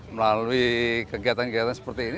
melalui kegiatan kegiatan seperti ini